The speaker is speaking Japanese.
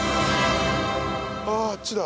あああっちだ。